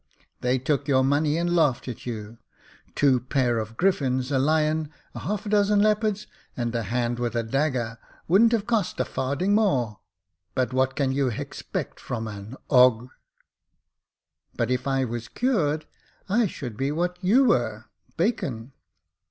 "They took your money and laughed at you. Two pair of griffins, a lion, half a dozen leopards, and a hand with a dagger, wou'dn't 'ave cost a farding more. But what can you ^expect from an 'eg ?"But if I was cured, I should be what you were — Bacon."